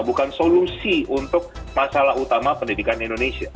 bukan solusi untuk masalah utama pendidikan indonesia